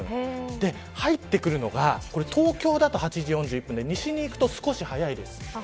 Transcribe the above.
入ってくるのが東京だと８時４１分で西に行くと少し早いです。